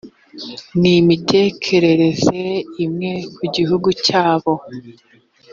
n imitekerereze imwe ku gihugu cyabo